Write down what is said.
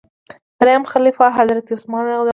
دریم خلیفه حضرت عثمان رض و.